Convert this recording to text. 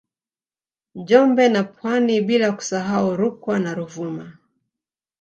Njombe na Pwani bila kusahau Rukwa na Ruvuma